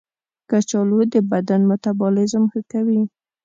کچالو د بدن میتابولیزم ښه کوي.